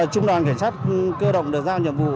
trung đoàn cảnh sát cơ động được giao nhiệm vụ